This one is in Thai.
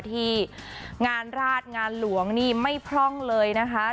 ที่งานราชงานหลวงนี่ไม่พร่องเลยนะคะ